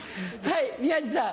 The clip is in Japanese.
はい。